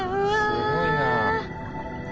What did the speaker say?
すごいな。